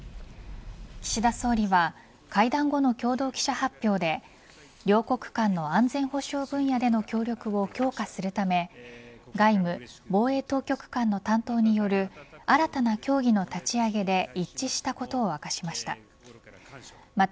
岸田総理は会談後の共同記者発表で両国間の安全保障分野での協力を強化するため外務・防衛当局間の担当による新たな協議の立ち上げで一致したことを明らかにしました。